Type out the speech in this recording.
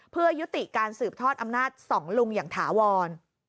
เพื่อยุติการสืบทอดอำนาจสองลุงอย่างถาวร